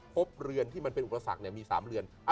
บเรือนที่มันเป็นอุปสรรคมี๓เรือน